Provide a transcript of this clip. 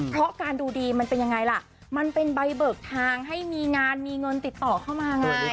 เพราะการดูดีมันเป็นยังไงล่ะมันเป็นใบเบิกทางให้มีงานมีเงินติดต่อเข้ามาไง